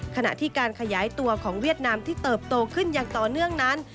ขณะที่การขยายตัวของเวียดนามที่เติบโตขึ้นอย่างต่อเนื่องนั้น